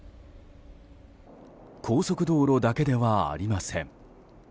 高速道路だけではありません。